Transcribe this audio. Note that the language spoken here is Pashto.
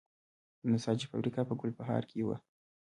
د نساجي فابریکه په ګلبهار کې وه